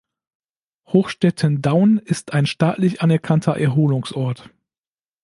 Hochstetten-Dhaun ist ein staatlich anerkannter Erholungsort.